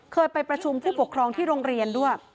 เคยไปประชุมผู้ปกครองที่โรงเรียนด้วย